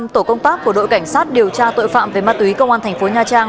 năm tổ công tác của đội cảnh sát điều tra tội phạm về ma túy công an thành phố nha trang